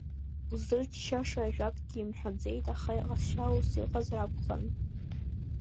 Узырччаша ажәакгьы имҳәаӡеит, аха иҟазшьа ус иҟазар акәхарын.